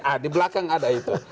ah di belakang ada itu